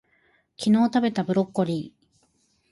昨日たべたブロッコリー